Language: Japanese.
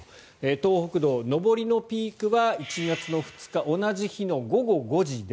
東北道、上りのピークは１月２日、同じ日の午後５時。